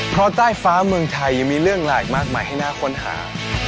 เพราะใต้ฟ้าเมืองไทยยังมีเรื่องหลายมากมายให้น่าค้นหา